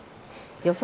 予想